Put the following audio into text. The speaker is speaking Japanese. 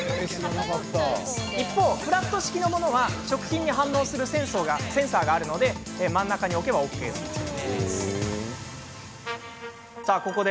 一方、フラット式のものは食品に反応するセンサーがあるので真ん中に置けばＯＫです。